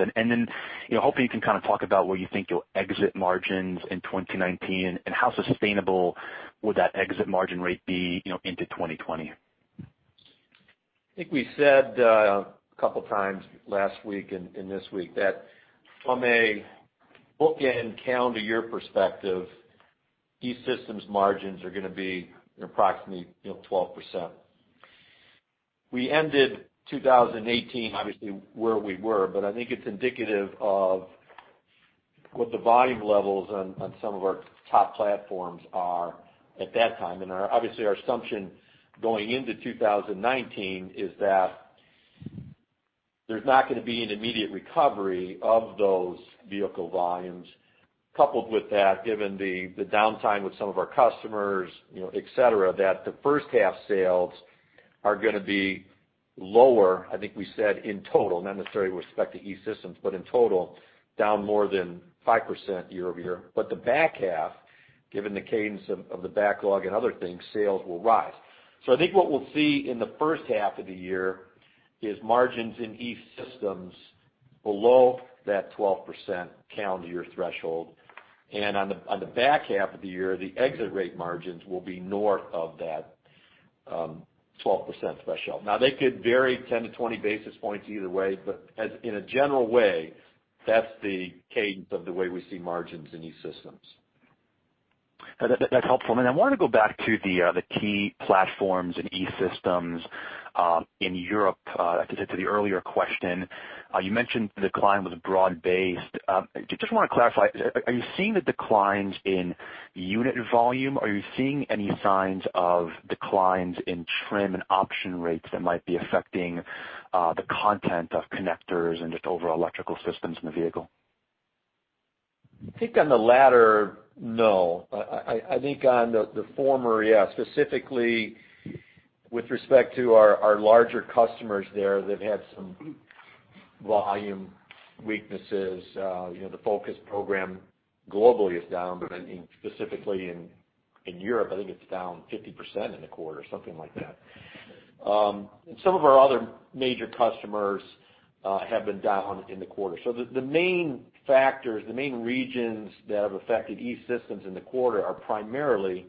Hoping you can kind of talk about where you think you'll exit margins in 2019 and how sustainable would that exit margin rate be into 2020? I think we said a couple of times last week and this week that from a bookend calendar year perspective, E-Systems margins are going to be approximately 12%. We ended 2018, obviously, where we were, but I think it's indicative of what the volume levels on some of our top platforms are at that time. Obviously, our assumption going into 2019 is that there's not going to be an immediate recovery of those vehicle volumes. Coupled with that, given the downtime with some of our customers, et cetera, that the first half sales are going to be lower, I think we said in total, not necessarily with respect to E-Systems, but in total, down more than 5% year-over-year. The back half, given the cadence of the backlog and other things, sales will rise. I think what we'll see in the first half of the year is margins in E-Systems below that 12% calendar year threshold. On the back half of the year, the exit rate margins will be north of that 12% threshold. Now, they could vary 10-20 basis points either way, but in a general way, that's the cadence of the way we see margins in E-Systems. That's helpful. I want to go back to the key platforms in E-Systems in Europe. To the earlier question, you mentioned the decline was broad-based. Just want to clarify, are you seeing the declines in unit volume? Are you seeing any signs of declines in trim and option rates that might be affecting the content of connectors and just overall electrical systems in the vehicle? I think on the latter, no. I think on the former, yes, specifically with respect to our larger customers there, they've had some volume weaknesses. The Focus program globally is down, but specifically in Europe, I think it's down 50% in the quarter, something like that. Some of our other major customers have been down in the quarter. The main factors, the main regions that have affected E-Systems in the quarter are primarily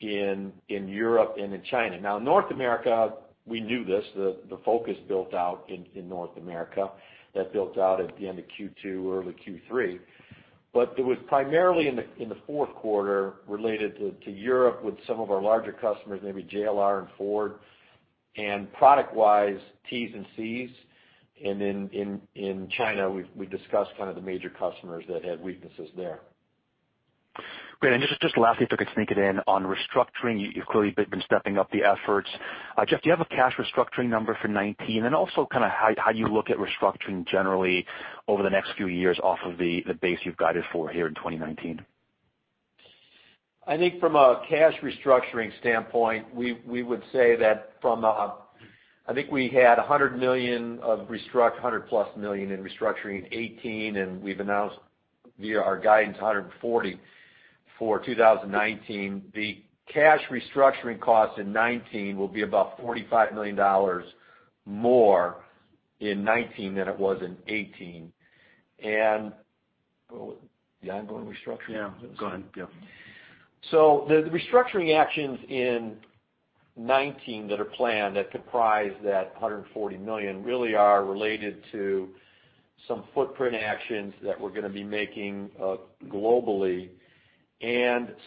in Europe and in China. Now, North America, we knew this, the Focus built out in North America, that built out at the end of Q2, early Q3. It was primarily in the fourth quarter related to Europe with some of our larger customers, maybe JLR and Ford. Product-wise, terminals and connectors. Then in China, we discussed one of the major customers that had weaknesses there. Great. Just lastly, if I could sneak it in on restructuring, you've clearly been stepping up the efforts. Jeff, do you have a cash restructuring number for 2019? Also kind of how you look at restructuring generally over the next few years off of the base you've guided for here in 2019. I think from a cash restructuring standpoint, we would say that I think we had $100 million plus in restructuring in 2018. We've announced via our guidance $140 million for 2019. The cash restructuring cost in 2019 will be about $45 million more in 2019 than it was in 2018. The ongoing restructuring? Yeah, go ahead. Yeah. The restructuring actions in 2019 that are planned that comprise that $140 million really are related to some footprint actions that we're going to be making globally.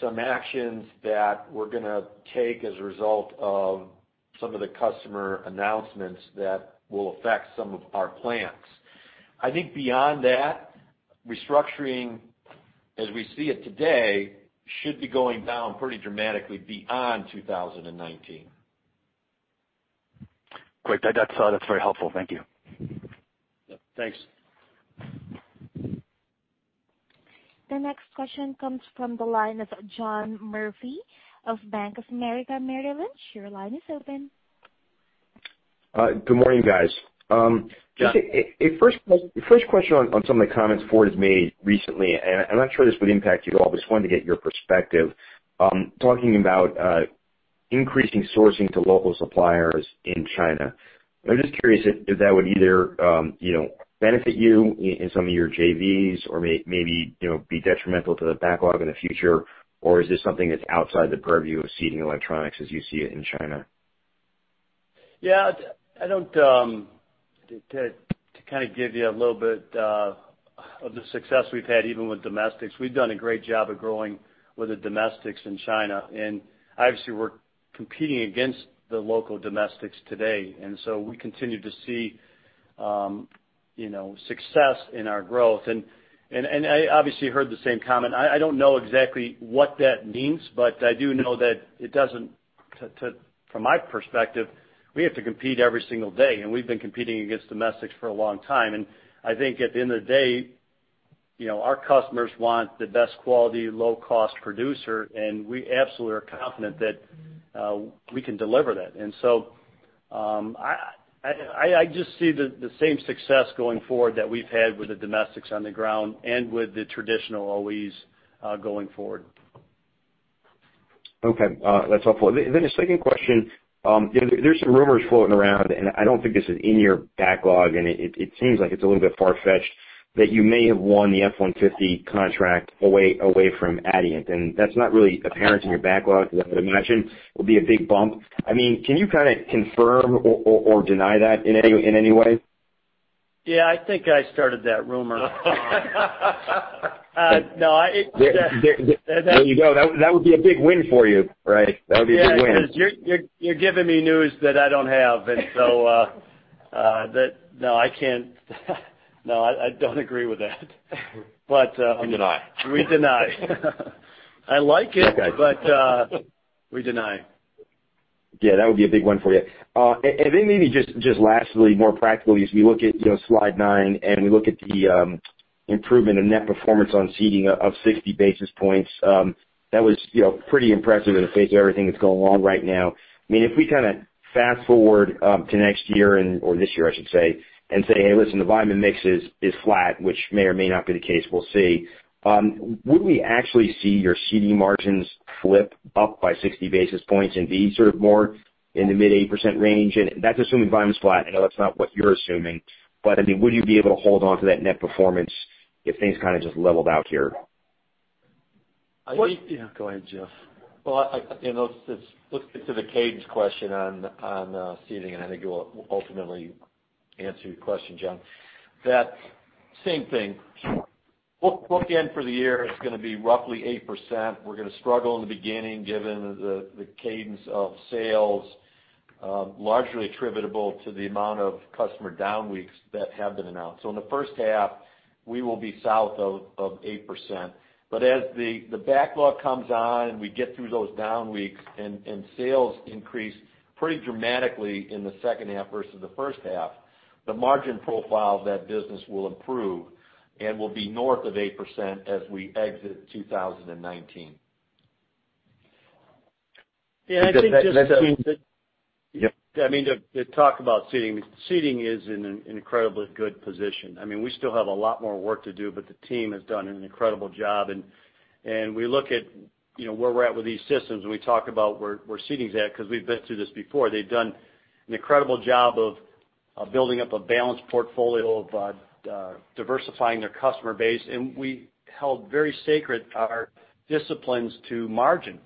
Some actions that we're going to take as a result of some of the customer announcements that will affect some of our plans. I think beyond that, restructuring, as we see it today, should be going down pretty dramatically beyond 2019. Great. That's very helpful. Thank you. Yeah, thanks. The next question comes from the line of John Murphy of Bank of America Merrill Lynch. Your line is open. Good morning, guys. John. Just first question on some of the comments Ford has made recently, and I'm not sure this would impact you at all, but just wanted to get your perspective. Talking about increasing sourcing to local suppliers in China. I'm just curious if that would either benefit you in some of your JVs or maybe be detrimental to the backlog in the future, or is this something that's outside the purview of seating electronics as you see it in China? Yeah. To kind of give you a little bit Of the success we've had even with domestics. We've done a great job of growing with the domestics in China, obviously we're competing against the local domestics today, so we continue to see success in our growth. I obviously heard the same comment. I don't know exactly what that means, but I do know that it doesn't, from my perspective, we have to compete every single day, and we've been competing against domestics for a long time. I think at the end of the day, our customers want the best quality, low-cost producer, and we absolutely are confident that we can deliver that. So I just see the same success going forward that we've had with the domestics on the ground and with the traditional OEs going forward. Okay. That's helpful. A second question. There's some rumors floating around, and I don't think this is in your backlog, and it seems like it's a little bit far-fetched, that you may have won the F-150 contract away from Adient, and that's not really apparent in your backlog. I would imagine it would be a big bump. Can you kind of confirm or deny that in any way? Yeah, I think I started that rumor. There you go. That would be a big win for you, right? That would be a big win. You're giving me news that I don't have. No, I can't. No, I don't agree with that. You deny. We deny. I like it, but we deny. Yeah, that would be a big one for you. Then maybe just lastly, more practically as we look at slide 9 and we look at the improvement in net performance on seating of 60 basis points. That was pretty impressive in the face of everything that's going on right now. If we kind of fast-forward to next year, or this year I should say, and say, "Hey, listen, the volume and mix is flat," which may or may not be the case, we'll see. Would we actually see your seating margins flip up by 60 basis points and be more in the mid 8% range? That's assuming volume's flat. I know that's not what you're assuming, but would you be able to hold onto that net performance if things kind of just leveled out here? Go ahead, Jeff. Well, let's get to the cadence question on seating, and I think it will ultimately answer your question, John. That same thing. Book end for the year is going to be roughly 8%. We're going to struggle in the beginning given the cadence of sales, largely attributable to the amount of customer down weeks that have been announced. In the first half, we will be south of 8%, but as the backlog comes on and we get through those down weeks and sales increase pretty dramatically in the second half versus the first half, the margin profile of that business will improve and will be north of 8% as we exit 2019. Yeah, I think- Yep. -to talk about seating. Seating is in an incredibly good position. We still have a lot more work to do, but the team has done an incredible job. We look at where we're at with these systems, and we talk about where Seating's at because we've been through this before. They've done an incredible job of building up a balanced portfolio of diversifying their customer base, and we held very sacred our disciplines to margin.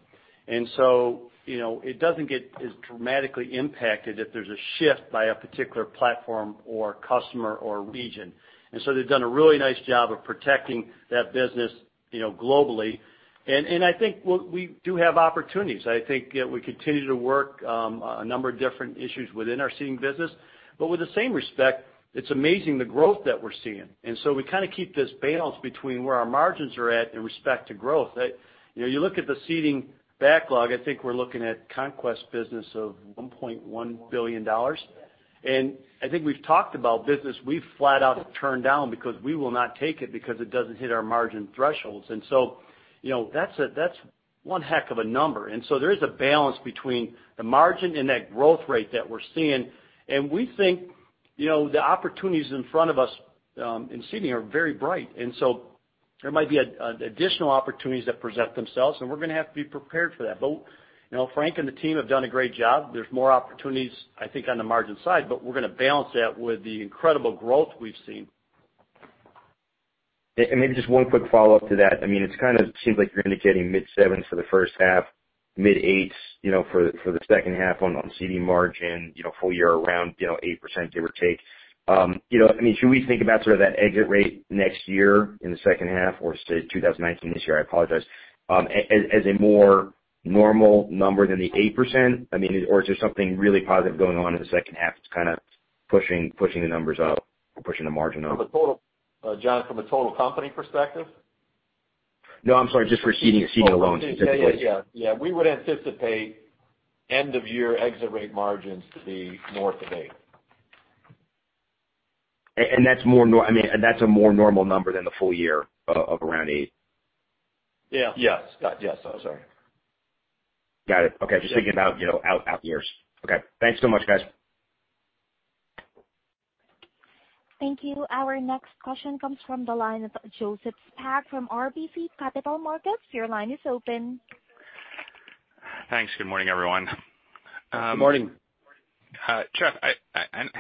So, it doesn't get as dramatically impacted if there's a shift by a particular platform or customer or region. So they've done a really nice job of protecting that business globally. I think we do have opportunities. I think we continue to work a number of different issues within our Seating business, but with the same respect, it's amazing the growth that we're seeing. We kind of keep this balance between where our margins are at in respect to growth. You look at the Seating backlog, I think we're looking at conquest business of $1.1 billion. I think we've talked about business we've flat out turned down because we will not take it because it doesn't hit our margin thresholds. So, that's one heck of a number. So there is a balance between the margin and that growth rate that we're seeing, and we think the opportunities in front of us in seating are very bright. So there might be additional opportunities that present themselves, and we're going to have to be prepared for that. Frank and the team have done a great job. There's more opportunities, I think, on the margin side, but we're going to balance that with the incredible growth we've seen. Maybe just one quick follow-up to that. It kind of seems like you're indicating mid-sevens for the first half, mid-eights for the second half on Seating margin, full year around 8%, give or take. Should we think about sort of that exit rate next year in the second half or 2019 this year, I apologize, as a more normal number than the 8%? Is there something really positive going on in the second half that's kind of pushing the numbers up or pushing the margin up? From a total, John, from a total company perspective? No, I am sorry, just for Seating alone specifically. Yeah. We would anticipate end-of-year exit rate margins to be north of eight. That's a more normal number than the full year of around eight. Yeah. Yes. I'm sorry. Got it. Okay. Just thinking about out years. Okay. Thanks so much, guys. Thank you. Our next question comes from the line of Joseph Spak from RBC Capital Markets. Your line is open. Thanks. Good morning, everyone. Good morning. I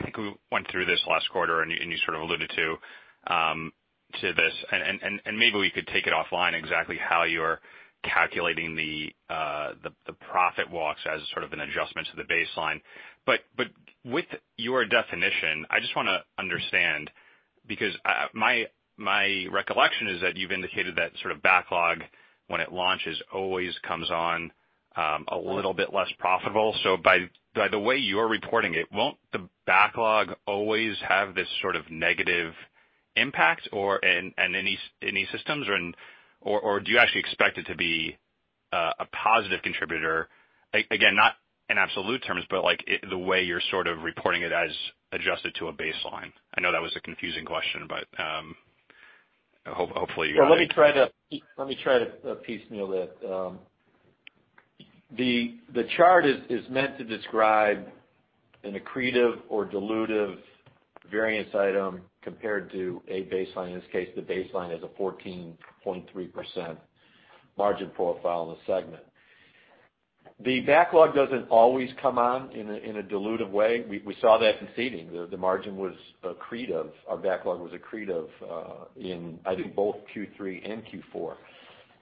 think we went through this last quarter. You sort of alluded to this, and maybe we could take it offline exactly how you're calculating the profit walks as sort of an adjustment to the baseline. With your definition, I just want to understand. Because my recollection is that you've indicated that sort of backlog, when it launches, always comes on a little bit less profitable. So by the way you're reporting it, won't the backlog always have this sort of negative impact and E-Systems or do you actually expect it to be a positive contributor? Again, not in absolute terms, but the way you're sort of reporting it as adjusted to a baseline. I know that was a confusing question, but, hopefully you got it. Well, let me try to piecemeal that. The chart is meant to describe an accretive or dilutive variance item compared to a baseline. In this case, the baseline is a 14.3% margin profile in the segment. The backlog doesn't always come on in a dilutive way. We saw that in Seating. The margin was accretive. Our backlog was accretive in, I think, both Q3 and Q4.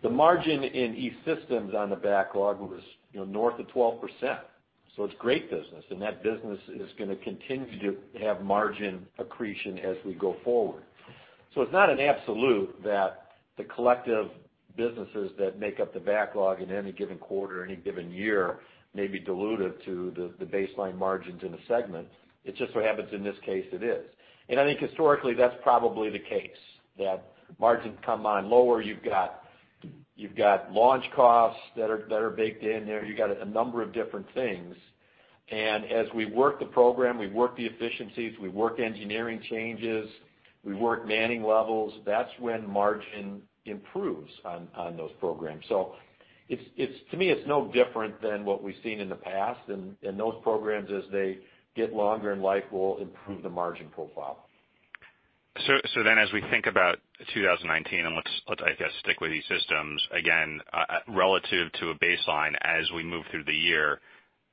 The margin in E-Systems on the backlog was north of 12%. It's great business, and that business is going to continue to have margin accretion as we go forward. It's not an absolute that the collective businesses that make up the backlog in any given quarter, any given year, may be dilutive to the baseline margins in a segment. It just so happens in this case, it is. I think historically, that's probably the case, that margins come on lower. You've got launch costs that are baked in there. You got a number of different things. As we work the program, we work the efficiencies, we work engineering changes, we work manning levels, that's when margin improves on those programs. To me, it's no different than what we've seen in the past. Those programs, as they get longer in life, will improve the margin profile. As we think about 2019, and let's, I guess, stick with E-Systems. Again, relative to a baseline as we move through the year,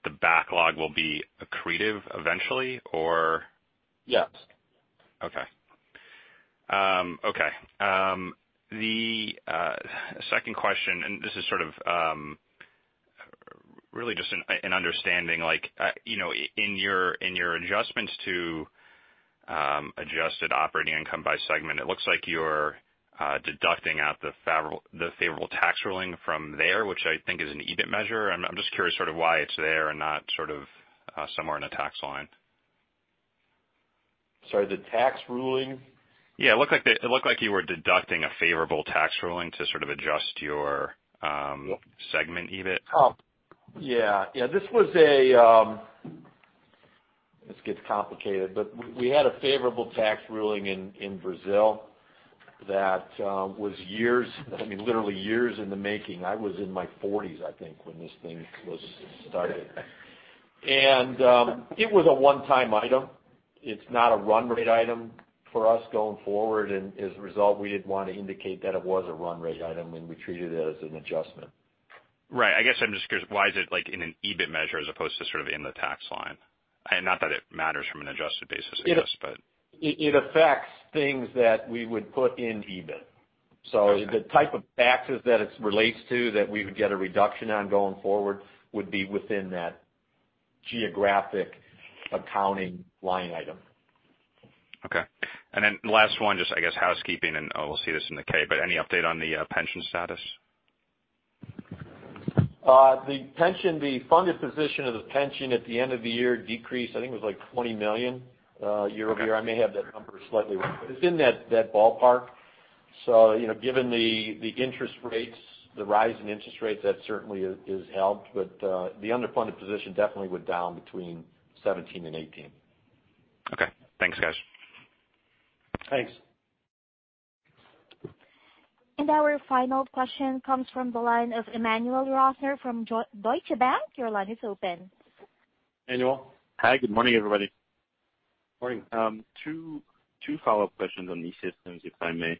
the backlog will be accretive eventually, or? Yes. Okay. The second question, this is sort of really just an understanding. In your adjustments to adjusted operating income by segment, it looks like you're deducting out the favorable tax ruling from there, which I think is an EBIT measure. I'm just curious sort of why it's there and not sort of somewhere in the tax line. Sorry, the tax ruling? Yeah, it looked like you were deducting a favorable tax ruling to sort of adjust your segment EBIT. Yeah. This gets complicated, but we had a favorable tax ruling in Brazil that was years, I mean, literally years in the making. I was in my 40s, I think, when this thing was started. It was a one-time item. It's not a run rate item for us going forward. As a result, we didn't want to indicate that it was a run rate item, and we treated it as an adjustment. Right. I guess I'm just curious, why is it in an EBIT measure as opposed to sort of in the tax line? Not that it matters from an adjusted basis, I guess. It affects things that we would put in EBIT. Okay. The type of taxes that it relates to that we would get a reduction on going forward would be within that geographic accounting line item. Okay. Last one, just I guess, housekeeping, and we'll see this in the 10-K, but any update on the pension status? The pension, the funded position of the pension at the end of the year decreased, I think it was like $20 million year-over-year. I may have that number slightly wrong, but it's in that ballpark. Given the interest rates, the rise in interest rates, that certainly is helped. The underfunded position definitely went down between 2017 and 2018. Okay. Thanks, guys. Thanks. Our final question comes from the line of Emmanuel Rosner from Deutsche Bank. Your line is open. Emmanuel. Hi, good morning, everybody. Morning. Two follow-up questions on E-Systems, if I may.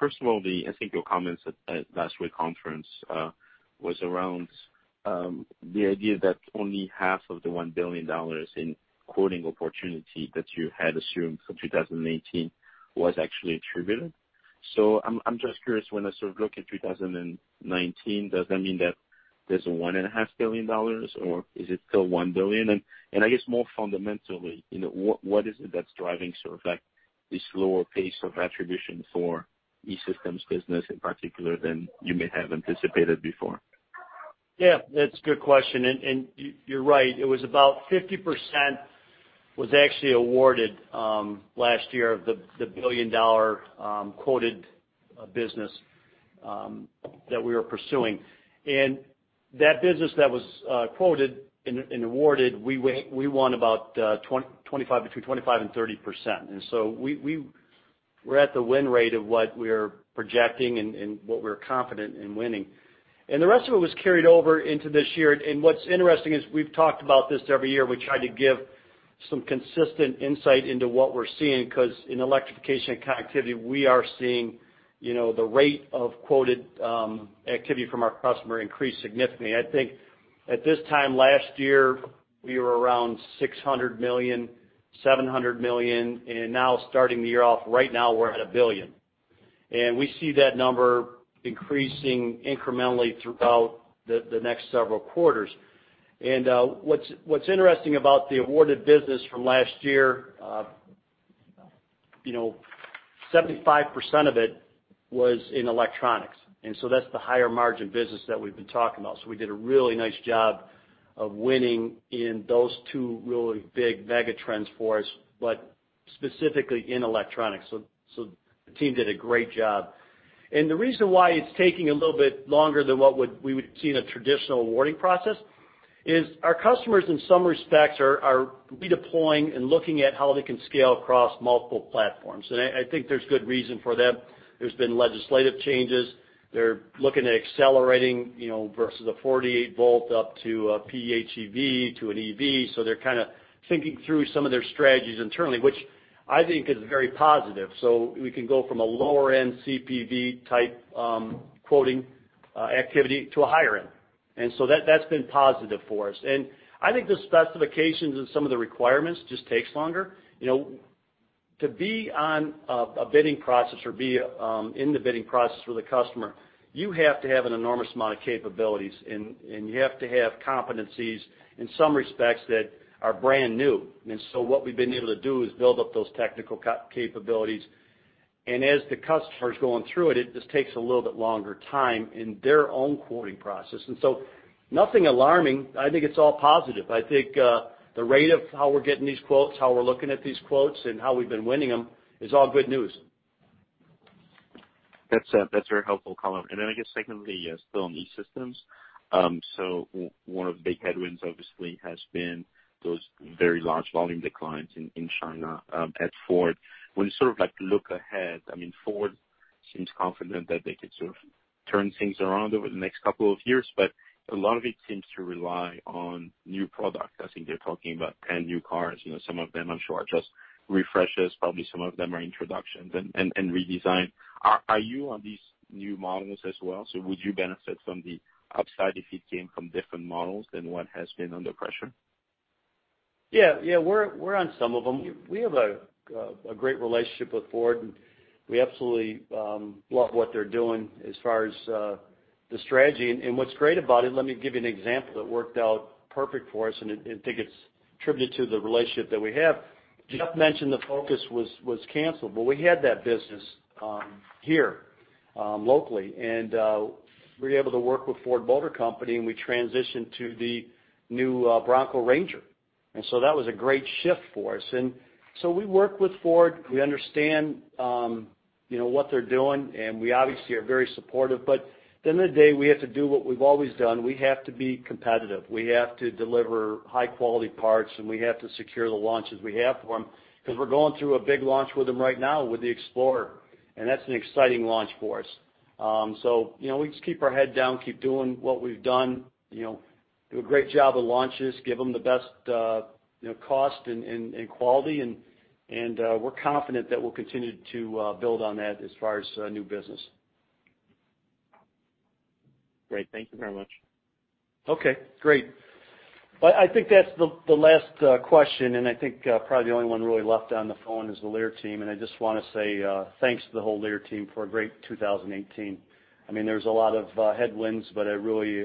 First of all, I think your comments at last week conference was around the idea that only half of the $1 billion in quoting opportunity that you had assumed for 2018 was actually attributed. I'm just curious, when I sort of look at 2019, does that mean that there's $1.5 billion or is it still $1 billion? I guess more fundamentally, what is it that's driving sort of this lower pace of attribution for E-Systems business in particular than you may have anticipated before? Yeah, that's a good question. You're right, it was about 50% was actually awarded last year of the billion-dollar quoted business that we were pursuing. That business that was quoted and awarded, we won about between 25% and 30%. We're at the win rate of what we're projecting and what we're confident in winning. The rest of it was carried over into this year. What's interesting is we've talked about this every year. We try to give some consistent insight into what we're seeing, because in electrification and connectivity, we are seeing the rate of quoted activity from our customer increase significantly. I think at this time last year, we were around $600 million, $700 million, and now starting the year off right now we're at $1 billion. We see that number increasing incrementally throughout the next several quarters. What's interesting about the awarded business from last year, 75% of it was in electronics. That's the higher margin business that we've been talking about. We did a really nice job of winning in those two really big mega trends for us, but specifically in electronics. The team did a great job. The reason why it's taking a little bit longer than what we would see in a traditional awarding process is our customers, in some respects, are redeploying and looking at how they can scale across multiple platforms. I think there's good reason for that. There's been legislative changes. They're looking at accelerating versus a 48-volt up to a PHEV to an EV. They're kind of thinking through some of their strategies internally, which I think is very positive. We can go from a lower-end CPV type quoting activity to a higher end. That's been positive for us. I think the specifications and some of the requirements just takes longer. To be on a bidding process or be in the bidding process for the customer, you have to have an enormous amount of capabilities, and you have to have competencies in some respects that are brand new. What we've been able to do is build up those technical capabilities. As the customer's going through it just takes a little bit longer time in their own quoting process. Nothing alarming. I think it's all positive. I think the rate of how we're getting these quotes, how we're looking at these quotes, and how we've been winning them is all good news. That's very helpful color. I guess secondly, still on E-Systems. One of the big headwinds obviously has been those very large volume declines in China at Ford. When you look ahead, Ford seems confident that they could sort of turn things around over the next couple of years, but a lot of it seems to rely on new product. I think they're talking about 10 new cars. Some of them I'm sure are just refreshes, probably some of them are introductions and redesign. Are you on these new models as well? Would you benefit from the upside if it came from different models than what has been under pressure? Yeah. We're on some of them. We have a great relationship with Ford, and we absolutely love what they're doing as far as the strategy. What's great about it, let me give you an example that worked out perfect for us, and I think it's a tribute to the relationship that we have. Jeff mentioned the Focus was canceled, but we had that business here locally. We were able to work with Ford Motor Company, and we transitioned to the new Bronco Ranger. That was a great shift for us. We work with Ford. We understand what they're doing, and we obviously are very supportive. At the end of the day, we have to do what we've always done. We have to be competitive. We have to deliver high-quality parts. We have to secure the launches we have for them, because we're going through a big launch with them right now with the Explorer. That's an exciting launch for us. We just keep our head down, keep doing what we've done, do a great job with launches, give them the best cost and quality. We're confident that we'll continue to build on that as far as new business. Great. Thank you very much. Okay, great. I think that's the last question. I think probably the only one really left on the phone is the Lear team. I just want to say thanks to the whole Lear team for a great 2018. There's a lot of headwinds, but I really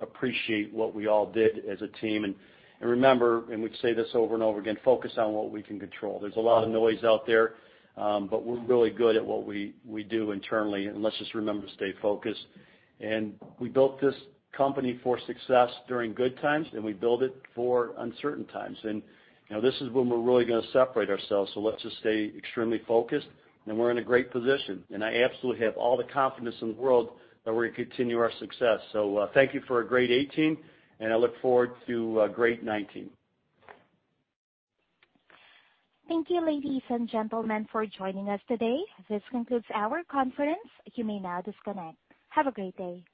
appreciate what we all did as a team. Remember, and we say this over and over again, focus on what we can control. There's a lot of noise out there, but we're really good at what we do internally. Let's just remember to stay focused. We built this company for success during good times. We build it for uncertain times. This is when we're really going to separate ourselves, so let's just stay extremely focused. We're in a great position. I absolutely have all the confidence in the world that we're going to continue our success. Thank you for a great 2018. I look forward to a great 2019. Thank you, ladies and gentlemen, for joining us today. This concludes our conference. You may now disconnect. Have a great day.